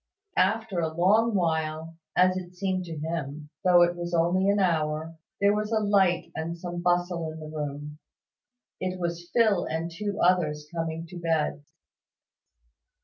After a long while, as it seemed to him, though it was only an hour, there was a light and some bustle in the room. It was Phil and two others coming to bed.